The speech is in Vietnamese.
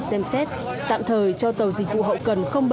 xem xét tạm thời cho tàu dịch vụ hậu cần bảy